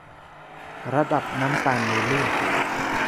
ระดับน้ำตาลในเลือด